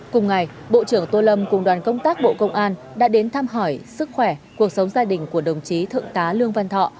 cùng ngày bộ trưởng tô lâm cùng đoàn công tác bộ công an đã đến thăm hỏi sức khỏe cuộc sống gia đình của đồng chí thượng tá lương văn thọ